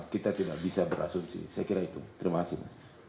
kita tidak bisa berasumsi saya kira itu terima kasih mas